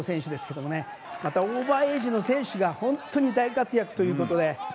オーバーエージの選手が本当に大活躍ということで。